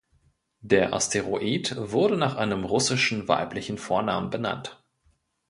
Der Asteroid wurde nach einem russischen weiblichen Vornamen benannt.